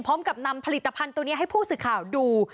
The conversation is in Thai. พร้อมกับนำผลิตภัณฑ์ตัวนี้ให้ผู้สื่อข่าวดู